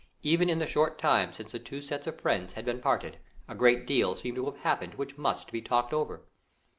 Even in the short time since the two sets of friends had been parted, a great deal seemed to have happened which must be talked over.